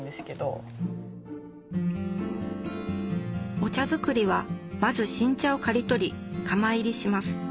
お茶作りはまず新茶を刈り取り釜炒りします